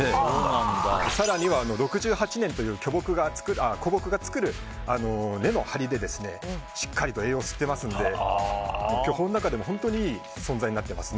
更には６８年という古木が作る根の張りで、しっかりと栄養を吸っていますので巨峰の中でも本当にいい存在になってますね。